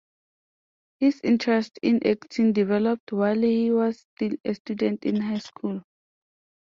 His interest in acting developed while he was still a student in high school.